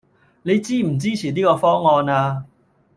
你支唔支持呢個方案呀